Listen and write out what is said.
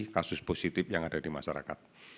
kasus positif yang ada di masyarakat